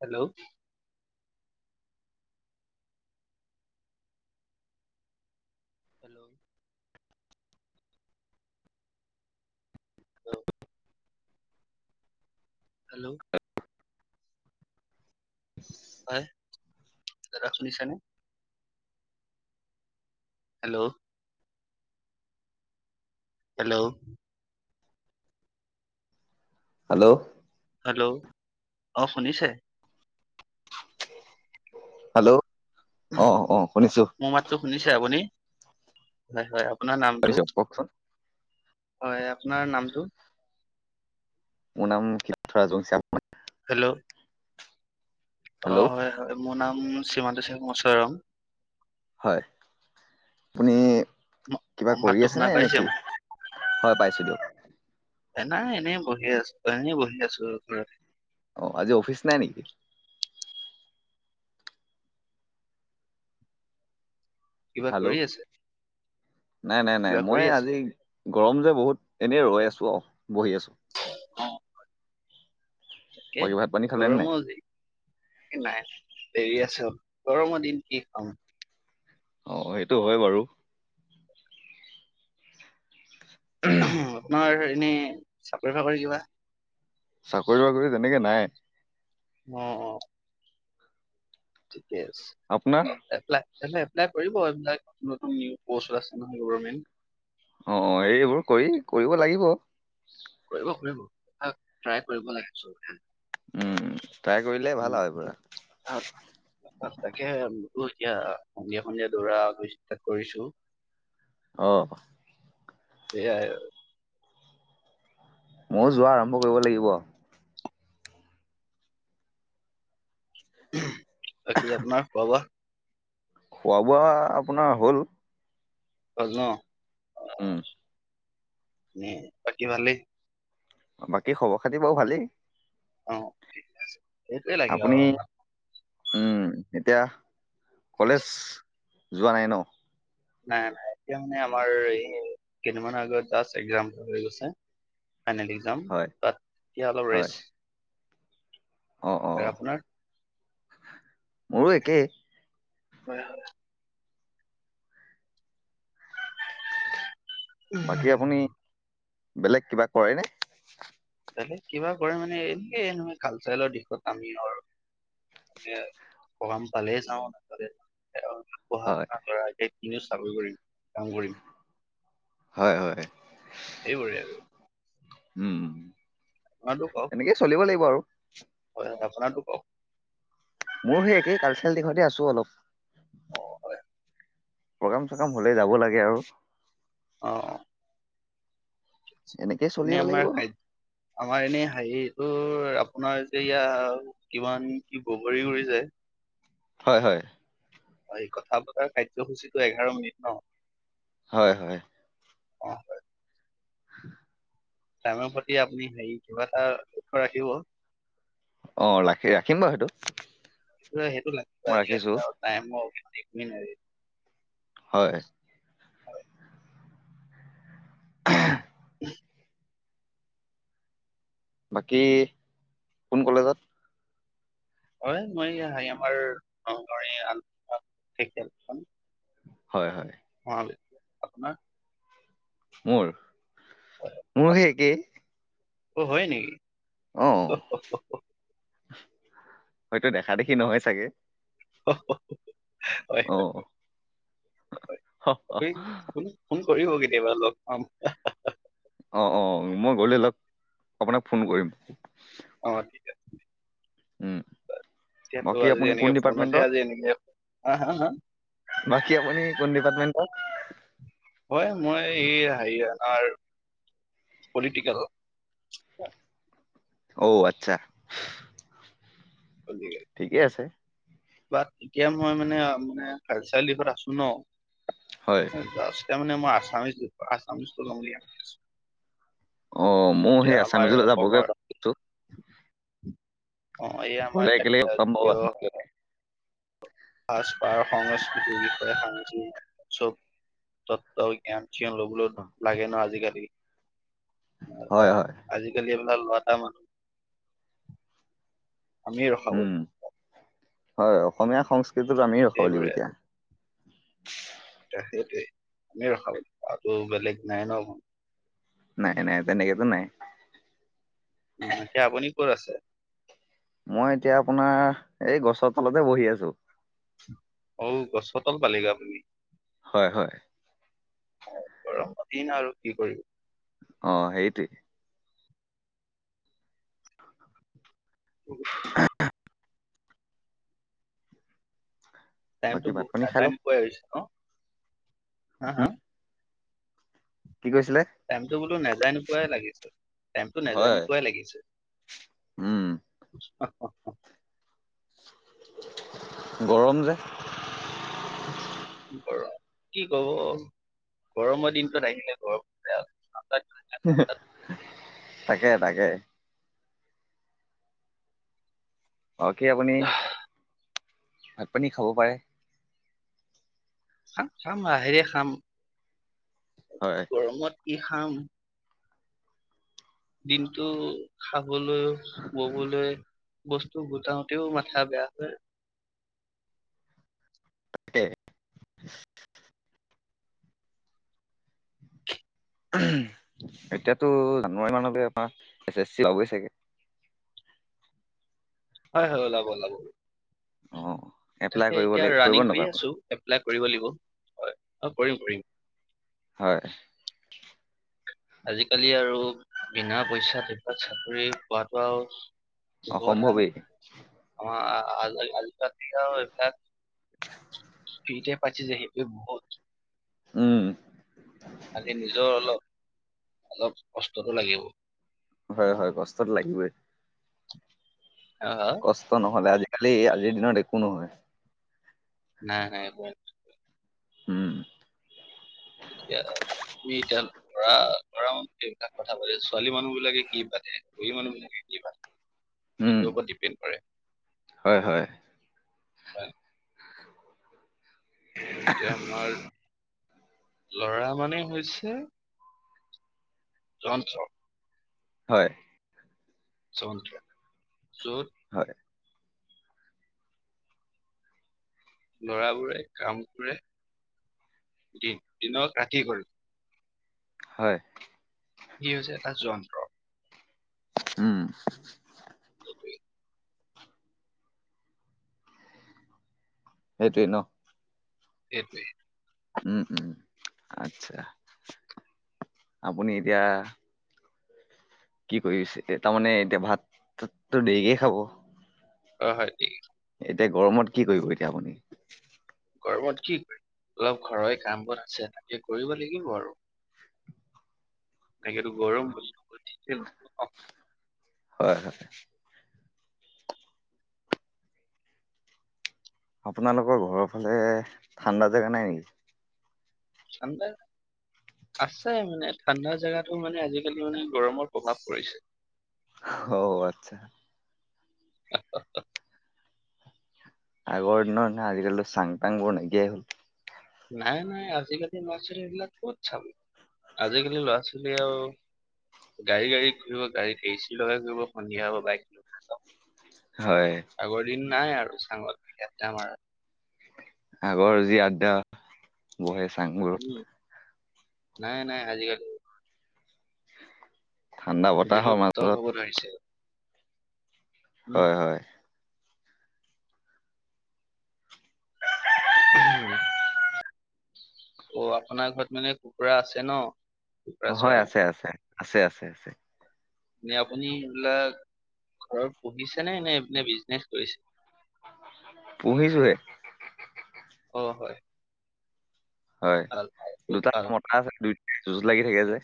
Hello. Hello. Hello hello. [inaudible] হয়। ৰা শুনি চানে? হেল্ল'। হেল্ল'। Hello hello. অ শুনিছে হেল্ল, অহ অহ শুনিছোঁ। মোৰ মাতটো শুনিছে আপুনি? হয় হয়। আপোনাৰ নামটো কওকচোন হয় আপোনাৰ নামটো মোৰ নাম [unintelligible] হেল্ল অ হেল্ল' হয় হয়। মোৰ নাম শ্ৰীমান্ত শ্বেখ মচ্বৰম। হয়। আপুনি কিবা মাতটো কৰি শুনা আছেনে নে পাইছে? কি? হয় পাইছোঁ দিয়ক। এ, নাই এনেই বহি আছোঁ, এনেই বহি আছোঁ আৰু ঘৰতে। অ আজি অফিচ নাই নেকি? কিবা হেল্ল' কৰি আছে? নাই নাই নাই, কিবা কৰি মই আছে? আজি গৰম যে বহুত এনেই ৰৈ আছোঁ অ, বহি আছোঁ। অ তাকে বাকী ভাত পানী খালে নে নাই গৰমো আজি। এ নাই দেৰি আছে অলপ। গৰমৰ দিন কি খাম অ সেইটো হয় বাৰু। অহ আপোনাৰ এনেই চাকৰি বাকৰি কিবা? চাকৰি বাকৰি তেনেকে নাই। অ অ। ঠিকে আছে। আপোনাৰ এপলাই। এইবিলাক এপ্লাই কৰিব, এইবিলাক নতুন নিউ পষ্ট উলাইছে নহয় গৰমেণ্ট। অ অ এইবোৰ কৰি কৰিব লাগিব। কৰিব কৰিব ট্ৰাই কৰিব লাগে চব। উম ট্ৰাই কৰিলে ভাল আৰু এইবোৰ তাকে। এতিয়া সন্ধিয়া সন্ধিয়া দৌৰা আ ষ্টাৰত কৰিছোঁ। অহ। এয়াই ময়ো যোৱা আৰম্ভ কৰিব লাগিব আৱ বাকী আপোনাৰ খোৱা বোৱা খোৱা বোৱা আপোনাৰ হ'ল। হ'ল ন। উম। উ বাকী ভালেই বাকী খবৰ খাতি বাৰু ভালেই। অ ঠিক আছে সেইটোৱে লাগে আপুনি আৱ উম এতিয়া কলেজ যোৱা নাই ন? নাই নাই। এতিয়া মানে আমাৰ এই কেইদিনমানৰ আগত জাস্ত একজাম হৈ গৈছে। ফাইনেল একজাম হয় তাত এতিয়া অলপ হয় ৰেষ্ট অ অ আৰু আপোনাৰ। মোৰো একেই। হয় হয়। বাকী আপুনি হয় বেলেগ কিবা কৰে নে। বেলেগ কিবা কৰে মানে এনেকে কালচাৰেলৰ দিশত আমি আৰ এয়া প্ৰগাম পালে যাওঁ। নেপালে পঢ়া হয় শুনা কৰা এতিয়া কিনো চাকৰি কৰিম কাম কৰিম। হয় হয় এইবোৰে আৰু উম। আপোনাৰতো এনেকেই চলিব লাগিব আৰু। আপোনাৰটো কওক। মোৰ সেই একেই কালচাৰেল দিশতে আছো অলপ। অ হয় প্ৰগ্ৰাম চগ্ৰাম হ'লে যাব লাগে আৰু। অ অ। এনেকেই এনে চলিব লাগিব আমাৰ খ আমাৰ এনে হাহি। ত আপোনাৰ এতিয়া ইয়া কিমান কি বগৰী উৰি যায়। হয় হয়। এই কথা বতৰা কাৰ্যসূচীটো এঘাৰ মিনিট ন। হয় হয়। [unintelligible] [unintelligible] টাইমৰ প্ৰতি আপুনি হে কিবা এটা উথ ৰাখিব। অ ৰাখি ৰাখিম বাৰু সেইটো। স সেইটো লাগ মই আজিকালি ৰাখিছো আৰু টাইমৰ একেই নাই। হয়। হয় [unintelligible] বাকী কোন কলেজত। হয় মই আহাঁ আমাৰ শংহৰীয়া। হয় হয়। [unintelligible] মোৰ মোৰ সেই একেই। অ হয় নেকি। অ হয়তো দেখা দেখি নহয় চাগে। অ হ হয়, হয়। হ হ হ। ফোন কৰিব কেতিয়াবা লগ পাম। অ অ মই গলে লপ আপোনাক ফোন কৰিম। অ ঠিক আছে। উম, এতিয়াতো বাকী আজি আপুনি কোন এনেকে ফোনতে ডিপাৰ্টমেন্টৰ? আজি এনেকে হা হা হা। বাকি আপুনি কোন ডিপাৰ্টমেণ্টত। হয় মই এই হেৰি আমাৰ। পলিটিকেল। ঔ আচ্ছা। [unintelligible] ঠিকেই আছে। বাট এতিয়া মই মানে মানে হ চাৰআলিৰত আছো ন। হয়। তাৰ মমানে মই আছামিছ দছো আছামিছ গলম বুলি আছো। অ মোৰ এতিয়া সেই আমাৰ আছামিজলৈ অসমৰ যাবগৈ পাও কিন্ত। অ এই আমাৰ গ'লে চেক। একেলগে লগ পাম বাৰু। সাজপাৰ সংস্কৃতিৰ বিষয়ে সা চব তত্ব জ্ঞান। ন ল'বলৈ লাগে ন আজিকালি হয়, হয়, আজিকালি। লতা মানুহ আমি ৰখাব। উম, হয় অসমীয়া সংস্কৃতিটো আমি ৰখাব লাগিব এতিয়া। এয়া সেইটোৱে আমি ৰখাব লাগিব আৰু টো বেলেগ নাই ন। নাই নাই তেনেকেটো নাই। উ তাকে আপুনি ক'ত আছে। মই এতিয়া আপোনাৰ এই গছৰ তলতে বহি আছো। ঔ গছৰ তল পালেগে আপুনি। হয় হয়। অ গৰম দিন আৰু কি কৰিব। অ সেইটোৱেই। [unintelligible] বাকী টাইমটো ভাত বহুত পানী খাই নেযায় লওক, নোপুৱাই হৈছে ন? হা হা কি কৈছিলে? টাইমটো বোলো নেযায় নোপাই লাগিছে, টাইমটো নেযায় হয়, নপোৱাই লাগিছে। উম, [unintelligible] গৰম যে। কি গৰম। গৰমৰ দিনটোত আহিলে গৰম উঠে আও। তাকে তাকে। বাকী আপুনি আহ, ভাত পানী খাব পাৰে। খাম-খাম লাহেৰে খাম। হয় গৰমত কি খাম? দিনটো খাবলৈও ববলৈ। বস্তু গোটাও তেও মাথা বেয়া হয়। তাকে। এতিয়াতো জানুৱাৰী মানলৈ আমাৰ এছ এছ চি হবই চাগে। হয় হয় ওলাব ওলাব। অ। এপ্লাই তাকে কৰিব এতিয়া লাগ কৰিব ৰানিং কৰি নাপাব আছো এপ্লাই কৰিব লাগিব। হয় অ কৰিম কৰিম। হয়। আজিকালি আৰু বিনা পইচাত চাকৰি পোৱাতটো আৰু। অসম্ভৱেই আমাৰ আজিকালি আও এইবিলাক। [inaudible] পাইছে যে সেইটোৱে বহুত উম খালি নিজৰ অলপ। অলপ কষ্টটো লাগিব। হয় হয় কষ্টতটো লাগিবই। হা হা কষ্ট নহ'লে আজিকালি আজিৰ দিনত একো নহয়। নাই নাই। উম। আও তুমি এতিয়া লৰা লৰা সেইবিলাক কথা পাতে ছোৱালী মানুহ বিলাকে কি পাতে বঢ়ী মানুহ বিলাকে। কি পাতে। উম সেইটো ওপৰত ডিপেণ্ড কৰে হয় হয়। হয়। এতিয়া আমাৰ লৰা মানে হৈছে। যন্ত্ৰ। হয়। যন্ত্ৰ, যত হয় লৰাবোৰে কাম কৰে দিনত ৰাতি কৰে। হয়। ই হৈছে এটা যন্ত্ৰ। উম। সেইটোৱে সেইটোৱেই ন? সেইটোৱে। উম উম আচ্ছা আপুনি এতিয়া। কি কৰিছে এ তাৰমানে এতিয়া ভাততো দেৰিকে খাব। অ হয় ঠিকে। এতিয়া গৰমত কি কৰিব এতিয়া আপুনি? গৰমত কি কৰিম অলপ ঘৰৰে কাম বোৰ আছে তাকে কৰিব লাগিব আৰু। এনেকেতো গৰম বুলি বহি থাকিলে নহব ন হয় হয়। আপোনালোকৰ ঘৰৰ ফালে ঠাণ্ডা জেগা নাই নেকি? ঠাণ্ডা আছে মানে, ঠাণ্ডা জেগাতো মানে আজিকালি মানে গৰমৰ প্ৰভাৱ পৰিছে। অও আচ্ছা। [unintelligible] আগৰ দিনৰ নিচিনা আজিকালিতো চাং-তাংবোৰ নাইকিয়াই হ'ল। নাই নাই। আজিকালি ল'ৰা-ছোৱালীবিলাক ক'ত চাব! আজিকালি ল'ৰা -ছোৱালী আৰু গাড়ী-গাড়ীত ঘূৰিব। গাড়ীত এচি লগাই ঘূৰিব, সন্ধিয়া হ'ব বাইক লৈ হয় আগৰ দিন নাই আৰু! চাঙত উঠি আদ্দা মাৰা আগৰ যি আড্ডা, বহে উম চাংবোৰত নাই নাই আজিকালি। ঠাণ্ডা বতাহৰ বিলুপ্ত মাজত হ'ব ধৰিছে উম হয় হয়। উম। অ' আপোনাৰ ঘৰত মানে কুকুৰা আছে ন? কুকুৰা হয় চৰাই আছে আছে। আছে আছে আছে। আপুনি এইবিলাক ঘৰত পুহিছে নে? নে বিজনেচ কৰিছে? পুহিছোহে। অ' হয়। হয় ভাল ভাল খুব দুটা ভাল মতা আছে, দুইটাই যুঁজ লাগি থাকে যে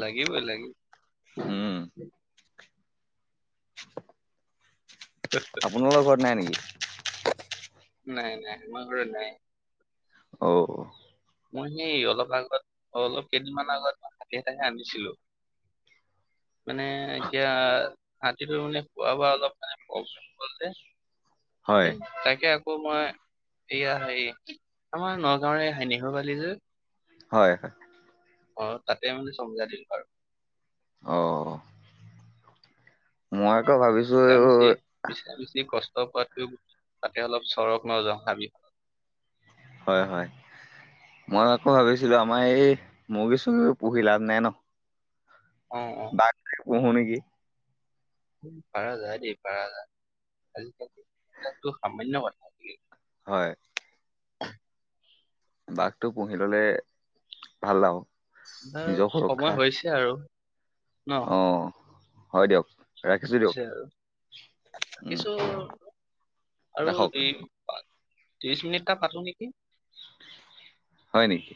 লাগিবই লাগিবই। উম আপোনালোকৰ ঘৰত নাই নেকি? নাই নাই, আমাৰ ঘৰত নাই। অ' মই সেই অলপ আগত, অলপ কেইদিনমান আগত মই হাতী এটাহে আনিছিলোঁ। [inaudible] মানে এতিয়া, হাতীটো মানে খোৱা-বোৱা অলপ মানে প্ৰব্লেম হ'ল যে হয় এ তাকে আকৌ মই এয়া হেৰি, আমাৰ নগাঁৱৰে হয় নিগবালি যে হয় হয়। অ' তাতে মানে চম্জাই দিলো আৰু। অ'। মই আকৌ ভাবিছো মিছা-মিছি, মিছা-মিছি কষ্ট পোৱাতকেও, তাতে অলপ চৰক ন হাবি হয় হয়। মই আকৌ ভাবিছিলোঁ, আমাৰ এই মুৰ্গী-সুৰ্গীবোৰ পুহি লাভ নাই ন! অ অ বাঘ পুহো নেকি! পাৰা যায় দেই, পাৰা যায়। আজিকালি এইবিলাক সামান্য কথা। হয়। বাঘটো পুহি ল'লে ভাল আৰু। বাৰু নিজৰ সুৰক্ষা সময় হৈছে আৰু ন! অ হয় দিয়ক! ৰাখিছো দিয়ক উম কিছু আৰু ৰাখক ত্ৰিশ মিনিট এটা পাতো নেকি? হয় নেকি?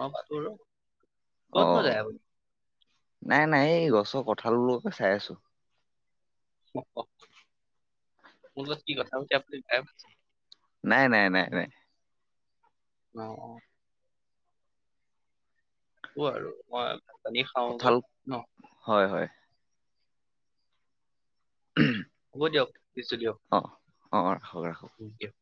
অ' পাতো ৰ, অ ক'তনো যায় আপুনি? নাই নাই, এই গছৰ কঁঠালবোৰকে চাই আছো। মোক কওক মোৰ লগত কি কথা পাতি আপুনি বেয়া পাইছে? নাই নাই, নাই নাই। অ, অ। উঠোঁ আৰু মই ভাত পানী কঁঠাল খাওঁগৈ, ন? হয় হয় উম হ'ব দিয়ক, দিছো দিয়ক। অ ৰাখক ৰাখক দিয়ক